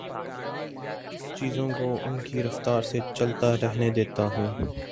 چیزوں کو ان کی رفتار سے چلتا رہنے دیتا ہوں